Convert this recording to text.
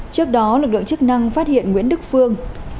trước đó lực lượng chức năng phát hiện nguyễn đức phương